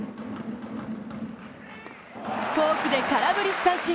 フォークで空振り三振。